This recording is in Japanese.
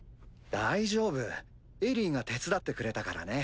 大丈夫エリィが手伝ってくれたからね。